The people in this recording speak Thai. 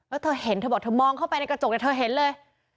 แล้วเธอเห็นเธอบอกเธอมองเข้าไปในกระจกเนี่ยเธอเห็นเลย